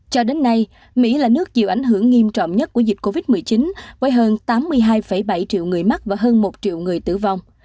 cho đến nay mỹ là nước chịu ảnh hưởng nghiêm trọng nhất của dịch covid một mươi chín với hơn tám mươi hai bảy triệu người mắc và hơn một triệu người tử vong